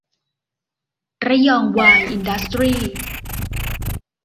ระยองไวร์ อินดัสตรีส์